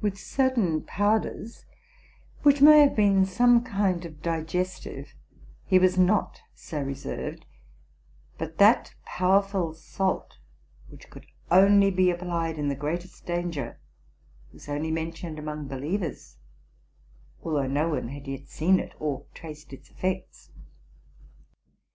With certain powders, which may have been some kind of digestive, he was not so reserved, but that powerful salt, which could only be ap plied in the greatest danger, was only mentioned among believers ; although no one had yet seen it or traced its effects.